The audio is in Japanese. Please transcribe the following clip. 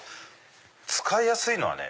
使いやすいのはね